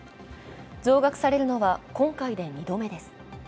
増額されるのは今回で２度目です。